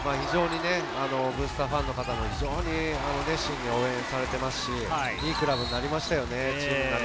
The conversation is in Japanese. ブースター、ファンの方も熱心に応援されていますし、良いクラブになりましたよね。